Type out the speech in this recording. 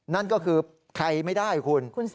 นั่นก็คือใครไม่ได้คุณ